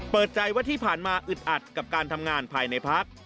เปิดใจว่าที่ผ่านมาอึดอัดกับการทำงานภายในพัก